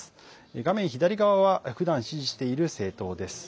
画面左側はふだん支持している政党です。